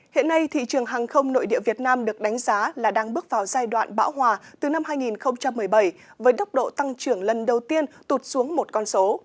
hiện nay thị trường hàng không nội địa việt nam được đánh giá là đang bước vào giai đoạn bão hòa từ năm hai nghìn một mươi bảy với tốc độ tăng trưởng lần đầu tiên tụt xuống một con số